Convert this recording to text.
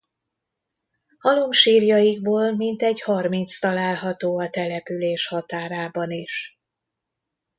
Halomsírjaikból mintegy harminc található a település határában is.